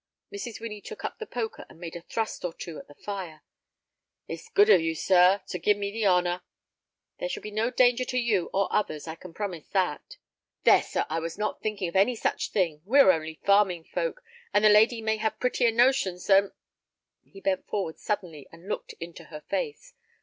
Mrs. Winnie took up the poker and made a thrust or two at the fire. "It's good of you, sir, to give me the honor—" "There shall be no danger to you or yours, I can promise that." "There, sir, I was not thinking of any such thing! We are only farming folk, and the lady may have prettier notions than—" He bent forward suddenly and looked into her face.